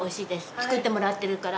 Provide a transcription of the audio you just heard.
作ってもらってるから。